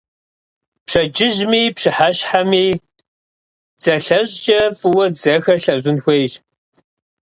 Пщэдджыжьми пщыхьэщхьэми дзэлъэщӀкӀэ фӀыуэ дзэхэр лъэщӀын хуейщ.